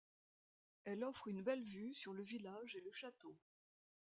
Elle offre une belle vue sur le village et le château.